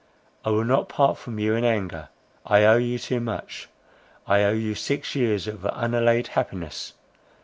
I will not part from you in anger;—I owe you too much. I owe you six years of unalloyed happiness.